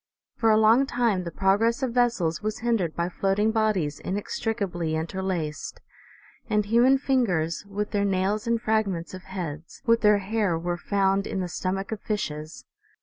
For a long time the progress of vessels was hindered by floating bodies inextricably interlaced ; and human fingers, with their nails, and fragments of heads, with their hair were found in the stomachs of fishes.